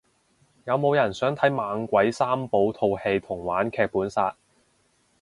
有冇人想睇猛鬼三寶套戲同玩劇本殺